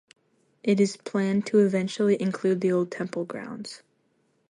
It is planned to eventually include the old temple grounds.